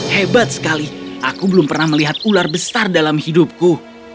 hebat sekali aku belum pernah melihat ular besar dalam hidupku